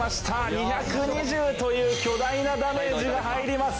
２２０とい巨大なダメージが入ります。